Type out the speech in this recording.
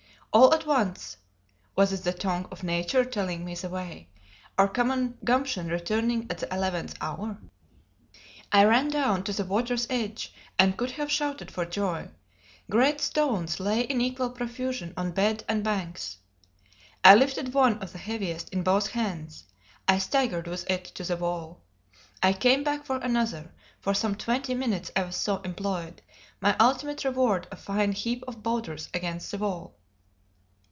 All at once was it the tongue of Nature telling me the way, or common gumption returning at the eleventh hour? I ran down to the water's edge, and could have shouted for joy. Great stones lay in equal profusion on bed and banks. I lifted one of the heaviest in both hands. I staggered with it to the wall. I came back for another; for some twenty minutes I was so employed; my ultimate reward a fine heap of boulders against the wall.